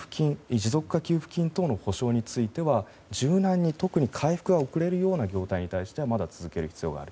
持続化給付金等の補償については柔軟に特に回復が遅れるような業態に対してはまだ続ける必要がある。